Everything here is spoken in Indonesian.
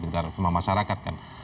bukan semua masyarakat kan